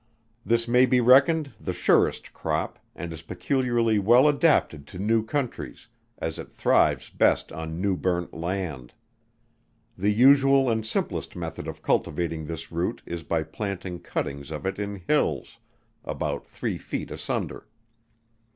This may be reckoned the surest crop, and is peculiarly well adapted to new countries, as it thrives best on new burnt land. The usual and simplest method of cultivating this root is by planting cuttings of it in hills, about three feet asunder.